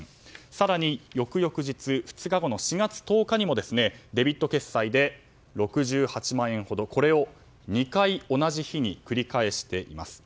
更に、翌々日にもデビット決済で６８万円ほどこれを２回同じ日に繰り返しています。